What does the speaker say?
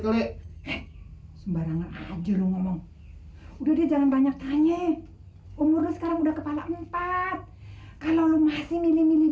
udah jangan banyak tanya umurnya sekarang udah kepala empat kalau masih milih milih